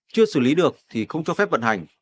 chưa xử lý được thì không cho phép vận hành